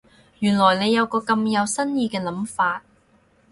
原來你有個咁有新意嘅諗法